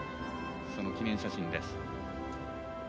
その記念写真です。